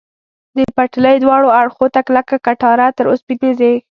د پټلۍ دواړو اړخو ته کلکه کټاره، تر اوسپنیزې.